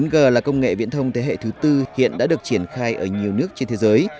bốn g là công nghệ viễn thông thế hệ thứ tư hiện đã được triển khai ở nhiều nước trên thế giới